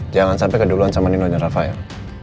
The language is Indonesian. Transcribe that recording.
jangan sampai keduluan sama nino dan rafael